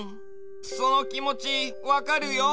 そのきもちわかるよ。